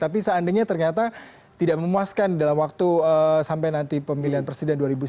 tapi seandainya ternyata tidak memuaskan dalam waktu sampai nanti pemilihan presiden dua ribu sembilan belas